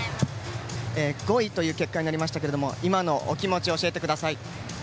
５位という結果になりましたが今のお気持ちを教えてください。